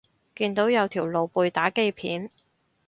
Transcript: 見到有條露背打機片